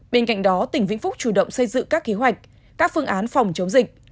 bên cạnh đó tỉnh vĩnh phúc chủ động xây dựng các kế hoạch các phương án phòng chống dịch